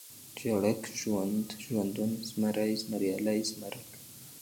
ژړک ، ژوند ، ژوندون ، زمری ، زمريالی ، زمرک